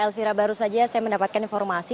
elvira baru saja saya mendapatkan informasi